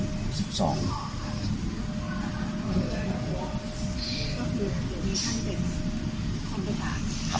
ไม่ต่อไป